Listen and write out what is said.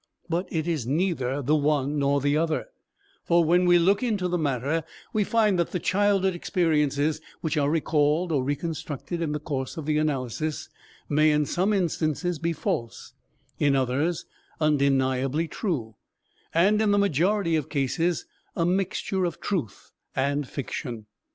But it is neither the one nor the other, for when we look into the matter we find that the childhood experiences which are recalled or reconstructed in the course of the analysis may in some in some instances be false, in others undeniably true, and in the majority of cases a mixture of truth and fiction.